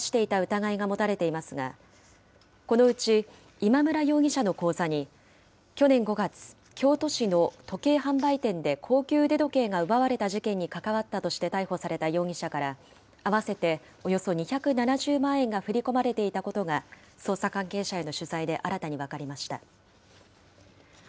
４人は一連の広域強盗事件で指示を出していた疑いが持たれていますが、このうち今村容疑者の口座に、去年５月、京都市の時計販売店で高級腕時計が奪われた事件に関わったとして逮捕された容疑者から、合わせておよそ２７０万円が振り込まれていたことが、捜査関係者への取材で新たに分かりました。